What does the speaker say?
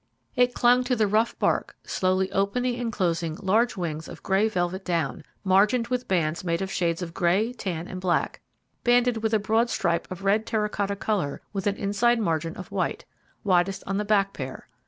It clung to the rough bark, slowly opening and closing large wings of grey velvet down, margined with bands made of shades of grey, tan, and black; banded with a broad stripe of red terra cotta colour with an inside margin of white, widest on the back pair.